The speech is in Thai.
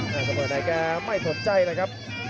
สมมุติว่าใครก็ไม่สนใจเลยครับ